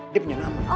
dia punya nama